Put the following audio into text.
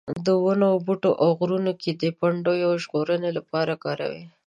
د ونو بوټو او غرونو کې د پنډیو د ژغورنې لپاره کاروي.